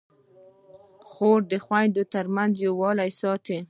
خور د خویندو منځ کې یووالی ساتي.